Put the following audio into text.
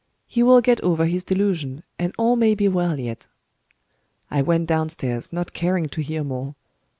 He will get over his delusion, and all may be well yet." I went downstairs, not caring to hear more.